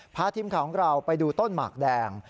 พาทีมข่าวของเราไปดูต้นหมากแดง